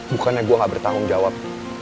bukannya gue gak bertanggung jawab